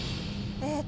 えーっと。